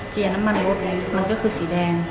เกียร์น้ำมันในรถมันก็คือสีแดง